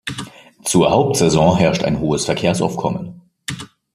Zur Hauptsaison herrscht ein hohes Verkehrsaufkommen.